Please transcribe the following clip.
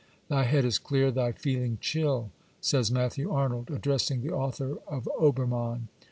2 " Thy head is clear, thy feeling chill," says Matthew Arnold, addressing the author of Obennann.